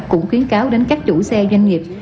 cũng khuyến cáo đến các chủ xe doanh nghiệp